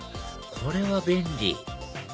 これは便利！